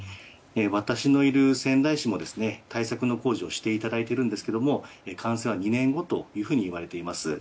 私のいる仙台市も対策の工事をしていただいているんですが完成は２年後といわれています。